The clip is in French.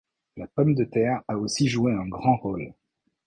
La pomme de terre a aussi joué un grand rôle.